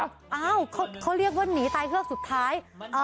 อ้าวเขาเรียกว่านี้นี่จะเหลือสุดท้าย